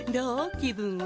気分は。